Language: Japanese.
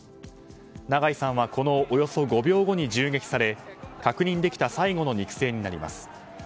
長井さんはこのおよそ５秒後に銃撃され確認できた最後の肉声になります。